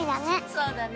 そうだね。